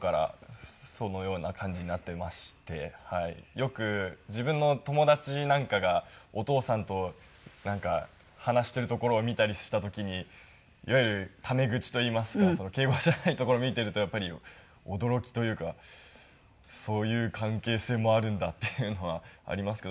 よく自分の友達なんかがお父さんと話しているところを見たりした時にいわゆるタメ口といいますか敬語じゃないところを見ているとやっぱり驚きというかそういう関係性もあるんだっていうのはありますけど。